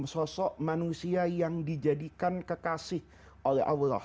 sosok manusia yang dijadikan kekasih oleh allah